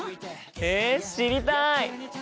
へえ知りたい！